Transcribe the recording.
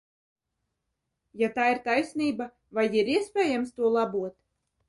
Ja tā ir taisnība, vai ir iespējams to labot?